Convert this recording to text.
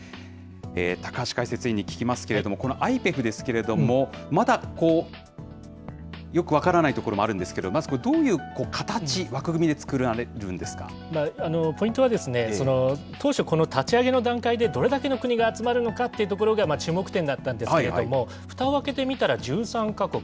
高橋解説委員に聞きますけれども、このＩＰＥＦですけれども、まだよく分からないところもあるんですけど、まずどういう形、ポイントは、当初、この立ち上げの段階でどれだけの国が集まるのかっていうところが注目点だったんですけれども、ふたを開けて見たら、１３か国。